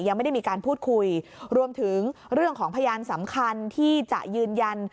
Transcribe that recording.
ยังไม่ได้มีการพูดคุยรวมถึงเรื่องของพยานสำคัญที่จะยืนยัน